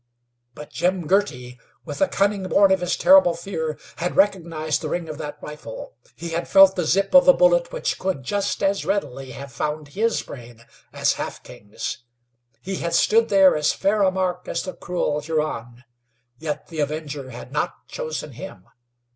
But Jim Girty, with a cunning born of his terrible fear, had recognized the ring of that rifle. He had felt the zip of a bullet which could just as readily have found his brain as Half King's. He had stood there as fair a mark as the cruel Huron, yet the Avenger had not chosen him.